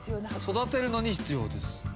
育てるのに必要です。